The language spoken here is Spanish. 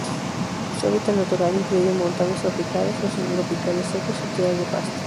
Su hábitat natural incluye montanos tropicales o subtropicales secos y tierras de pastos.